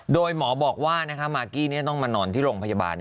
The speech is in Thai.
โดยหมอบอกว่ามากกี้ต้องมานอนที่โรงพยาบาล